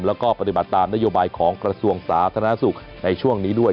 แล้วก็ปฏิบัติตามนโยบายของกระทรวงสาธารณสุขในช่วงนี้ด้วย